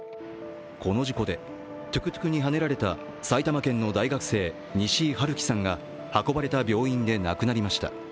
この事故でトゥクトゥクにはねられた埼玉県の大学生、西井治樹さんが運ばれた病院で亡くなりました。